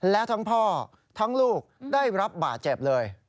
และทั้งพ่อทั้งลูกได้รับบาดเจ็บเลย